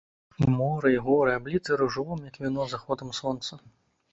І мора, і горы абліты ружовым, як віно, заходам сонца.